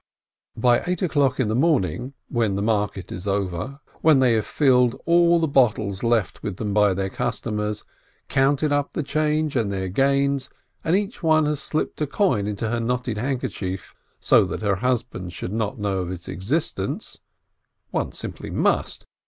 By eight o'clock in the morning, when the market is over, when they have filled all the bottles left with them by their customers, counted up the change and their gains, and each one has slipped a coin into her knotted handkerchief, so that her husband should not know of its existence (one simply must!